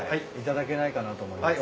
頂けないかなと思います。